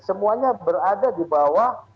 semuanya berada di bawah